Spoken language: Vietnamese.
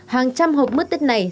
hàng trăm hộp mứt tết này